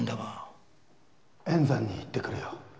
塩山に行ってくるよ。